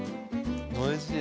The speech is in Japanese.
おいしい！